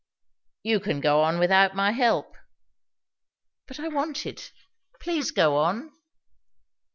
"You can go on without my help." "But I want it. Please go on."